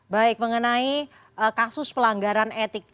baik mengenai kasus pelanggaran etik